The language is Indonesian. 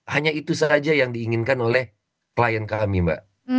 hanya itu saja yang diinginkan oleh klien kami mbak